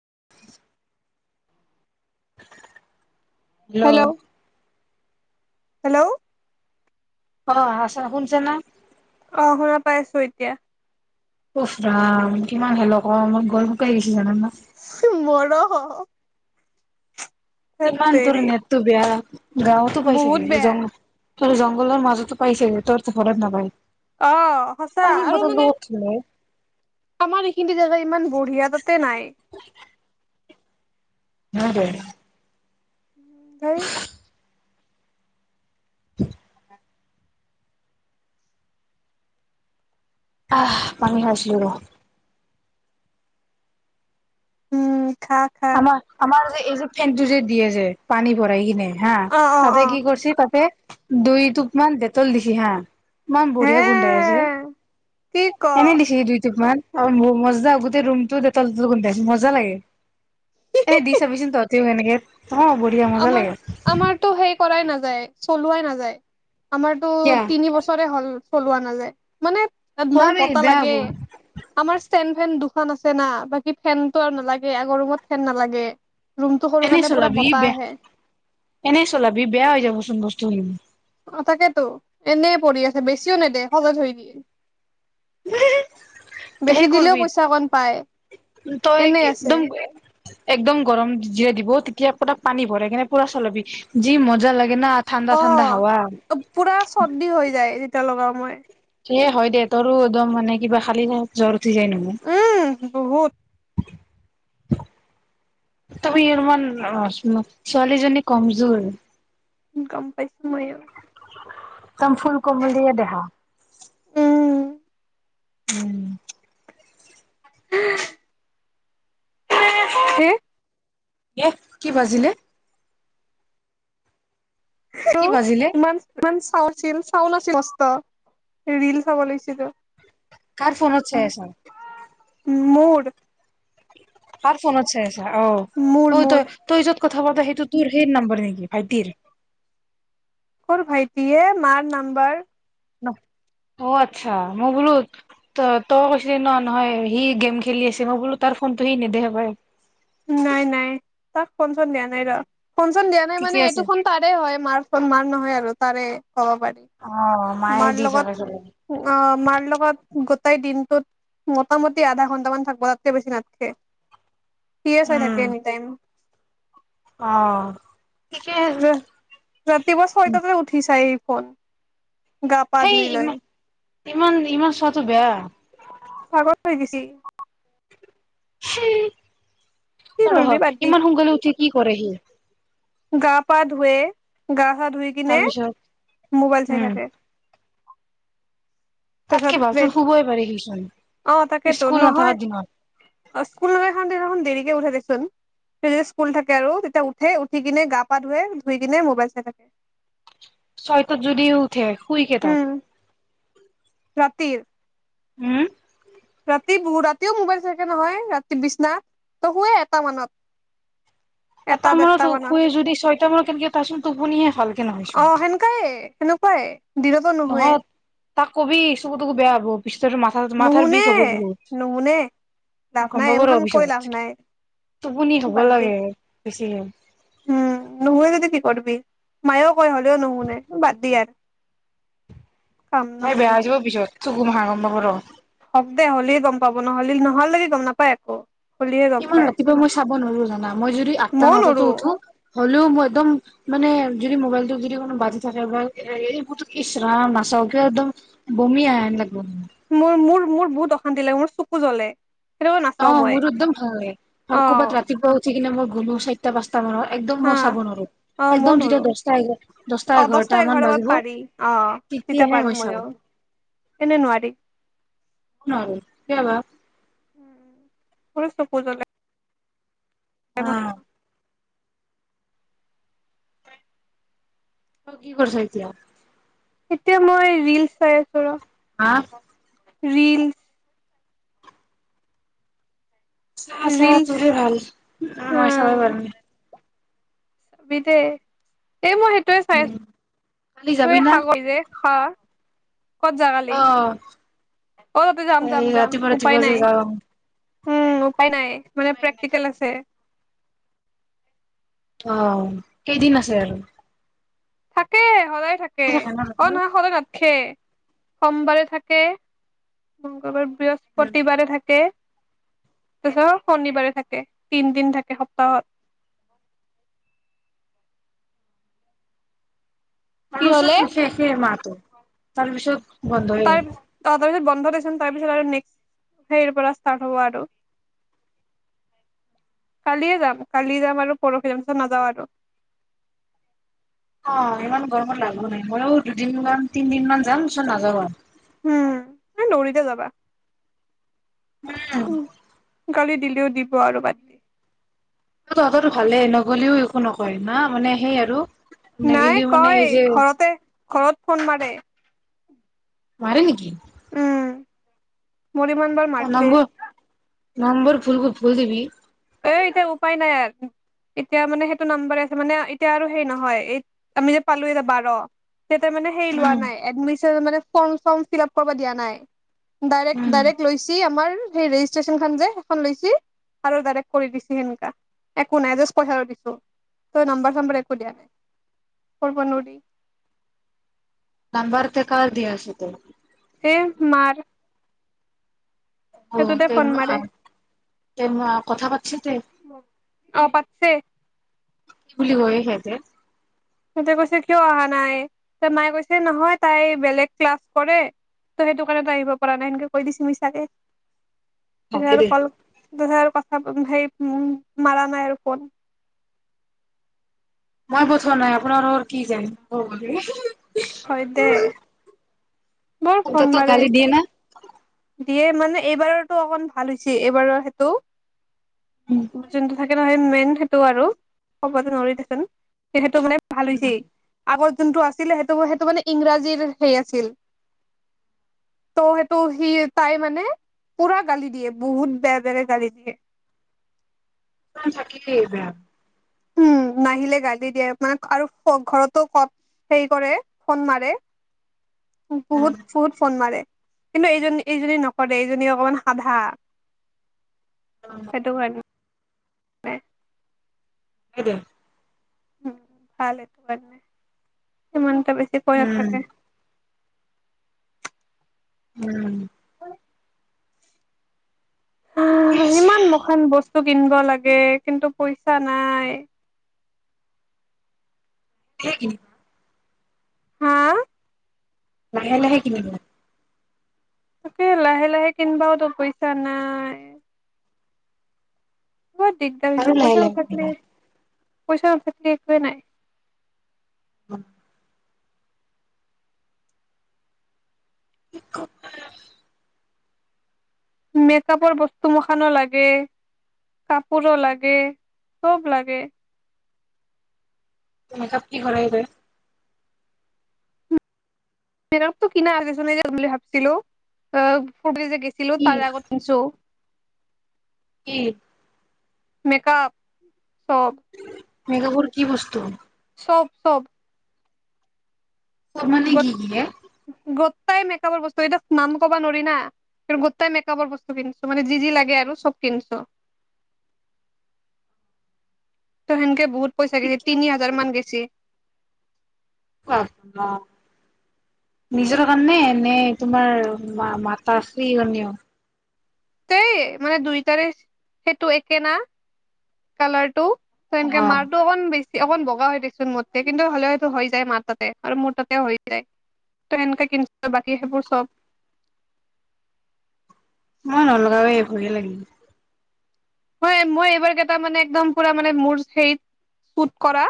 [unintelligible] [unintelligible] Hello. Hello, অ, সঁচা শুনছা না? অ, শুনা পাই আছো এতিয়া। উফ ৰাম কিমান হেল্লো কম মোৰ গল শুকে গেছি। [unintelligible] মৰহ। ইমান তেৰি তোৰ নেতটো বেয়া। গাঁওতো পাই বহুত চাগে বেয়া ৰিজং তোৰ জংগলৰ মাজতো পাইছে তোৰ ঘৰত নাপায় অ সঁচা পানী আৰু বটল টো মানে ক'ত থলে আমাৰ এইখিনি জেগা ইমান বঢ়িয়া তাতে নাই হয় দে হেই [inaudible] আহ পানী খাইছোঁ ৰ উম খা খা আমাৰ আমাৰ যি এই যে ফেন টো যে দিয়ে যে পানী ভৰাই কিনে হা অ অ অ তাতে কি কৰছি তাতে দুই টোপমান দেতল দেখি হা ইমান হে বঢ়িয়া গোন্ধাই কি ক আছে এনে দিচি দুই টোপমান অ মো মজা গোটেই ৰুমটো দেতল দেতল গোন্ধায় চে মজা লাগে এ দি চাবিচোন তত তেওঁ সেনেকে অ', বঢ়িয়া মজা আমাৰ লাগে। আমাৰতো সেই কৰাই নাযায়, চলোৱাই নাযায়। আমাৰতো কিয়া তিনি বছৰে হ'ল চলোৱা নাযায়। মানে-মানে চলাবি বতাহ বেয়া লাগে হ'ব আমাৰ ষ্টেণ্ড ফেন দুখন আছে না, বাকি ফেনতটো আৰু নালাগে আগৰ ৰুমত ফেন নালাগে। ৰুমটো সৰু এনে কাৰণে পুৰা চলাবি বতা বেয়া এনেই চলাবি বেয়া হৈ যাবচোন বস্তুখিনি। অ', তাকেতো এনেই পৰি আছে বেছিও নেদে স [unintelligible] তে বেছি সেই দিলেও কৰবি পইচা অকণ পায়, তই এনে আছে। একদম একদম গৰম যে দিব তেতিয়া পানী ভৰাই কিনে পুৰা চালবি, যি মজা লাগ অ', পুৰা চৰ্দি হৈ যায় যেতিয়া লগাও। মই এই হয় দে, তৰো একদম মানে কিবা খালিহে জ্বৰ উঠি যায় নহয় উম, বহুত। তুমি ইমান, [unintelligible] ছোৱালীজনী কমজোৰ। গম পাইছো ময়ো। [unintelligible] ফুল কমলিয়া দেহা। উম উম উ হ এহ, কি বাজিলে? কি [unintelligible] বাজিলে চা আছিল, চাউল আছিল বস্তাত, ৰীল চাব লৈছিলো। কাৰ ফোনত চাই আছা? মোৰ কাৰ ফোন আছে অ', মোৰ ঐ মোৰ তই, তই য'ত কাট কথ পতা সেইটো তোৰ সেই নম্বৰ নেকি ভাইটিৰ ক'ৰ ভাইটি এ, মাৰ নাম্বাৰ। অ আচ্ছা মই বোলো ত তই কৈছিলি ন নহয় সি গেম খেলি আছে মই বোলো তাৰ ফোনটো সি নেদেহে পাই নাই নাই, তাক ফোন-চোন দিয়া নাই ৰ ফন চন দিয়া নাই ঠিকে মানে আছে এইটোখন তাৰে হয় মাৰ মাৰ নহয় আৰু তাৰে ক'ব পাৰি অ মায়ে মাৰ দি লগত থাকে চাগে অ মাৰ লগত তাই দিনটোত মোটামুটি আধা ঘন্টামান থাকিব তাতকৈ বেছি নাথকে। সিয়ে চাই থাকে এনিটাইম। অহ। ৰাতি বছ হয়ত ত উঠি চাই ফন গা পা সেই ধুই লয় ইমান ইমান ইমান চটো বেয়া ভাগৰ হৈ গিছি হম। কি কৰিবি ৰহয় বাদ ইমান সোনকালে উঠি কি কৰে সি? গা-পা ধুৱে, গা থা ধুই কিনে তাৰপিছত মোবাইল চাই উম থাকে। তাতকে তাৰছত ভালচোন শুবই পাৰে সিচোন অ তাকে ধ স্কুল নাথাকা নহয় দিনত অ স্কুল দেৰি উ দেচোন স্কুল থাকে আৰু তেতিয়া উঠে উঠি কিনে গা পা ধুৱে ধুই কিনে মোবাইল চাই থাকে [inaudible] চয়টাত যদি উঠে শুই কেইটা? উম ৰাতিৰ উম। ৰাতি বহুত ৰাতিও মোবাইল চাকে নহয় ৰাতি বিছনা তো শুুৱে এটা মানত [inaudible] এটা মূৰত দেৰটা শু মানত শুই যদি ছয়টা মানত কেনেকে পাচোন টোপনিহে ভালকে অ নহয়চোন। সেনেকাই সেনেকুৱাই দিনত ত নুশুয়ে? নহয় তাক কবি চকু তকো বেয়া হব পিছত [unintelligible] মাথাৰ-মাথাৰ নুশুনে বিষ হ'ব বহুত, নুশুনে লাভ গম নাই পাব ৰ এইমাখান কৈ লাভ পিছত, নাই টোপনি হব বাদ দে লাগে। [unintelligible] উম, নুহুয়ে যদি কি কৰবি, মায়েওঁ কয় হ'লেও নুহুনে, বাদ দিয় আৰু। [unintelligible] বেয়া হৈ যাব পিছত। [unintelligible] হক দে, হলেই গম পাব, নহ'লে নহ [unintelligible] গম নাপায় আকৌ। ইমান ৰাতিপুৱা মই চাব নোৱাৰো জানা, মই যদি মইও আঠটা-নটাতো নৰো উঠো। হ'লেও, মই একদম মানে যদি মোবাইলটো যদি কোনো বাজি থাকে বা এ, এইবোৰতো ইচৰাম নাচাওকে একদম বমি আহে লাগিব। মোৰ-মোৰ-মোৰ বহুত অশান্তি লাগে, মোৰ চকু জ্বলে। সেইটো কাৰণে অ, নাচাও মই মোৰো একদম ভাল নালাগে, আৰু অ ক'বাত ৰাতিপুৱা উঠি কিনে মোৰ হব, চাইটা-পাঁচ [unintelligible] একদম হা মই চাব নোৱাৰো, অ মইও একদম যেতিয়া নৰো দহটা-দহটা, অ দহটা এঘাৰটা মান মানত বাজিব, পাৰি অ তেতিয়া তেতিয়াহে পাৰো মই চাওঁ, মইও এনে নোৱাৰি নোৱাৰো কিয়বা। মোৰো চকু জ্বলে। অ'। [unintelligible] কি কৰিছ এতিয়া? এতিয়া মই ৰিল চাই আছো ৰ'। হা। ৰীল। চা, চা, ৰিলচ তোৰে ভাল, অ মই চাব পাৰা নাই। [unintelligible] এই মই সেইটোৱে চাই উম আছো। কালি যাবি না [unintelligible] ক'ত যা কালি, অ অ', তে যাম, যাম, এই যাম, ৰাতিপুৱা উপায় ৰাতিপুৱা যে নাই। যাওঁ উম, উপায় নাই। মানে প্ৰেক্টিকেল আছে। অ', কেইদিন আছে আৰু? থাকে সদায় থাকে, অ', নহয় সদায় নাথাকে। সোমবাৰে থাকে, মংগলবাৰ বৃহস্পতিবাৰে, থাকে। তাৰপিছত শনিবাৰে থাকে, তিন দিন থাকে সপ্তাহত। কি হলে লুচোন শেষে মাত। [inaudible] তাৰপিছত বন্ধ হৈ। তাৰ অ তাৰপিছত বন্ধ দেখোন। তাৰ পিছত আৰু নেক্সট সেই পৰা ষ্টাৰ্ট হ'ব আৰু। কালিয়ে যাম কালি যাম আৰু পৰহি যাম পিছত নাযাওঁ আৰু। অ'! ইমান গৰমত লাভো নাই। মইও দুদিনমান, তিনদিন মান যাম, পিছত নাযাওঁ আৰু। উম! নৌৰিদে যাবা। উম'! সোনকালে দিলেও দিব আৰু বাদ তহঁতো ভালে নগ'লেও একো নকয়। না মানে সেই আৰু নাই নেগেলিও মানে কয়! এই যে ঘৰতে ঘৰত ফোন মাৰে। মাৰে নেকি? উম মোৰ ইমান বাৰ অ', মাৰিছে। নম্বৰ নম্বৰ ভুল, ভুল দিবি। এ, এতিয়া উপায় নাই আৰু এতিয়া মানে, সেইটো নাম্বাৰে আছে মানে, এতিয়া আৰু সেই নহয়। এই আমি যে পালোঁ এতিয়া বাৰ। সিঁহতে মানে হেৰি লোৱা উম নাই। এডমিশন মানে ফৰ্ম চৰ্ম ফিলাপ কৰিব দিয়া নাই। ডাইৰেক্ট, উম ডাইৰেক্ট লৈছি আমাৰ। সেই ৰেজিষ্ট্ৰেচনখন যে, সেইখন লৈছি আৰু ডাৰেক্ট কৰি দিছে। সেনেকা একো নাই জাষ্ট পইচাটো দিছোঁ। তই নাম্বাৰ, চাম্বাৰ একো দিয়া নাই, কৰিব নোৱাৰি। নাম্বাৰতো কাৰ দিয়া আছে তোৰ? এই, মাৰ। অ'! সেইটোতে ফোন মাৰে [unintelligible] কথা পাতিছোঁ দেই। অ পাতছে কি বুলি কৈ সিঁহতে? সিহঁতে কৈছে কিয় অহা নাই? ত' মায়ে কৈছে, নহয় তাই বেলেগ ক্লাছ কৰে। ত' সেইটো কাৰণে তাই আহিব পৰা নাই। সেনেকে কৈ দিছে মিছাঁকে।। ভালে দুহাৰ দে ক'ল দুহাৰ [unintelligible] সেই মোক মাৰা নাই আৰু ফোন। মই পঠোৱা নাই, আপোনালোকৰ কি যায়। হয় দে। বৰ ফোন [unintelligible] মাৰে গালি দিয়ে না? [unintelligible] দিয়ে মানে, এইবাৰটো অকমান ভাল হৈছে, এইবাৰৰ সেইটো। উম যোনটো থাক নহয়, মেইন সেইটো আৰু। ক'বটো নোৱাৰি দেছোন। [unintelligible] ভাল হৈছে। আগত যোনটো আছিলে সেইটো-সেইটো মানে, ইংৰাজীৰ হেই আছিল, ত' সেইটো সি, তাই মানে পুৰা গালি দিয়ে বহুত বেয়া বেয়াকে গালি দিয়ে। থাকিলেই বেয়া। উম, নাহিলে গালি দিয়ে মাক আৰু ঘৰতো কত হেৰি কৰে, ফোন মাৰে। উম বহুত ফোন-ফোন মাৰে। কিন্তু এইজনী-এইজনী নকৰে এইজনী অকমান সাধা। উম সেটো হয়। [unintelligible] এইটো। উম, ভাল এইটো [unintelligible] ইমান এইটো বেছিকৈ উম। নাথাকে। উম। ঐ। [inaudible] টো কিনিব লাগে, কিন্তু পইচা নাই। হে ই? হা। লাহে-লাহে কিনিব। তাকে লাহে-লাহে কিনবওতো পইচা নাই। বৰ দিগদাৰ আৰু হৈছে, লাহে পইচা লাহে নাথাকলি। কিনিবা। পইচা নাথাকলি একোই নাই। উম। কি কবা। মেকআপৰ বস্তু মখানো লাগে, কাপোৰো লাগে, সব লাগে। মেকআপ কি কৰা এ তই। মেকআপতো কিনা আগে [unintelligible] যাম বুলি ভাবছিলো আহ। [unintelligible] যে গৈছিলো কি তাৰ আগত কিনচো। কি? মেকাআপ। সব। মেকআপৰ কি বস্তু? চব - চব। চব মানে গো কি - কি য়ে? গোটাই মেকআপৰ বস্তু এই নাম কবা নোৱাৰি না কি, গোটাই মেকআপৰ বস্তু কিনিছো মানে যি যি লাগে আৰু চব কিনছো ত' সেনকে বহুত। পইচা গেছি তিনি হাজাৰ মান গেছি। [unintelligible] নিজৰ কাৰণে নে তোমাৰ মাতাস্ৰী কাৰণেও। তেই মানে দুইটাৰে সেইটো একে না, কালাৰটো। ত, অ এনেকে মাৰটো অকন বেছি। অকন বগা হৈ দেচোন মোতকে কিন্তু হ'লেওটো হৈ যায় মাৰ তাতে আৰু মোৰ তাতেও হৈ যায় ত' সেনেকে কিনচু বাকী সেইবোৰ চব মই নলগাও এই ভয়ে লাগে হয়, মই এইবাৰ কেইটা মানে একদম পুৰা মানে মোৰ হেৰিত চুট কৰা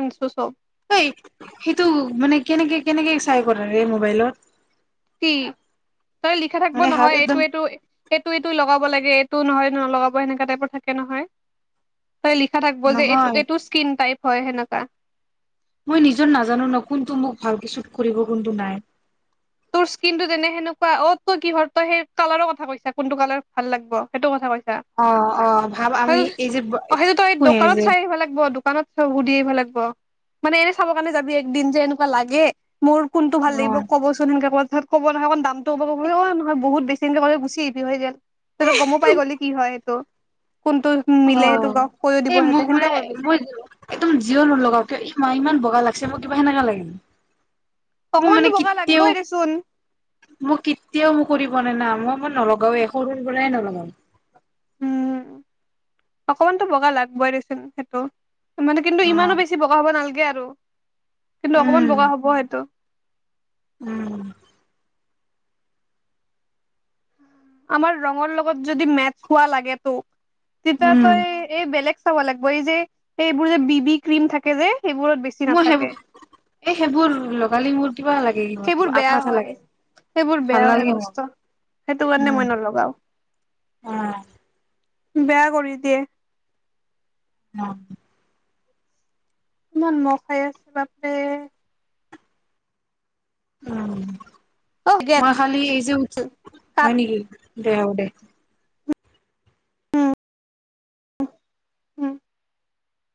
আনিছোঁ চব। অই, সেইটো মানে কেনেকে, কেনেকে চাই কৰে ৰে, মোবাইলত? কি? তই লিখা থাকিব মানে হাল নহয় এইটো, একদম এইটো, এইটো, এইটো লগাব লাগে এই তো নহয় নলগা, সেনেকা টাইপৰ থাকে নহয় তই লিখা থাকিব যে, এইটো, নহয় এইটো স্কিন টাইপ হয়, সেনেক [unintelligible] মই নিজৰ নাজানো ন, কোনটো মোক ভালকে ছুত কৰিব, কোনটো নাই। তোৰ স্কিনটো তেনে সেনেকুৱা অ', তই কিহৰ তই সেই কালাৰৰ কথা কৈছা, কোনটো কালাৰ ভাল লাগব সেইটো কথা কৈ অ', অ', ভাব আমি এই যে, সেইটো তই দোকানত চাই [unintelligible] আহিব লাগিব দোকানত চব সুধি আহিব লাগব, মানে এনে চাব কাৰণে যাবি একদিন যে এনেকুৱা লাগে মোৰ কোনটো ভাল অ লাগিব ক'বচো [unintelligible] [unintelligible] নহয় বহুত বেছি [unintelligible] গুচি আহিবি [unintelligible] গমো পাই গলি কি হয় সেইটো কোনটো মিলে সেইটো অ', গাঁওক কৈয়ো দিব এই সিহঁতে মোক সেনেকা মানে কৰিবি মই, একদম জিয়ে নলগাওঁ কিয় ই ইমান বগা লাগ [unintelligible] মোক কিবা সেনেকা লাগিল। মোৰ মানে অকমানতো বগা কেতিয়াওঁ, লাগবই দেচোন মোক কেতিয়াওঁ ম [unintelligible] না। ম-মই নলগাওঁ এ, সৰুৰ পৰাই নলগাওঁ। উম, অকমানতো বগা লাগবই দেচোন সেইটো। মানে কিন্তু, অ ইমানো বেছি বগা হ'ব নালগে আৰু [unintelligible] কিন্তু অকমান উম বগা হ'ব সেইটো। উম। আমাৰ ৰঙৰ লগত যদি মেচ হোৱা লাগে টো তেতিয়া উম তই এই বেলেগ চাব লাগব, এই যে এইবোৰ যে বি বি ক্ৰীম থাকে যে সেইবোৰত বেছি মোৰ নাথাকে সেইবোৰ, এই সেইবোৰ লগালে মোৰ কিবা লাগে কিবা সেইবোৰ আঠা বেয়া আঠা হয়, লাগে সেইবোৰ ভাল বেয়া হয়, নালাগে মোৰ মস্ত সেইটো কাৰণে উম মই নলগাও। অ বেয়া কৰি দিয়ে। অ'। ইমান মহ খাই আছে বাপৰে উম। অ গেল মই খালি এই যে, উঠ হয়, কাট নেকি? দে হ'ব দে উম।